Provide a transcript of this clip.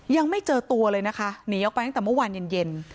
ยังไม่เจอตัวเลยนะคะหนีออกไปตั้งแต่เมื่อวานเย็น